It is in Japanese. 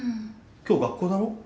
今日学校だろ？